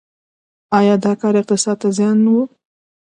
آیا دا کار اقتصاد ته زیان و؟